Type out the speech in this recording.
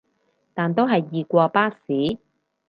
但都係易過巴士